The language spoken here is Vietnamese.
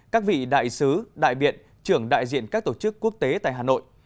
các vị đại sứ đại biện trưởng đại diện các tổ chức quốc tế tại hà nội